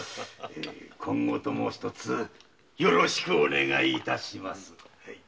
今後ともひとつよろしくお願い致します。